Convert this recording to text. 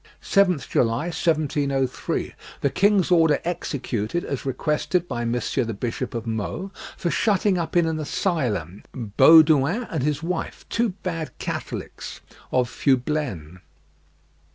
"7th July, 1703, the king's order executed as requested by Monsieur the Bishop of Meaux, for shutting up in an asylum Baudouin and his wife, two bad Catholics of Fublaines."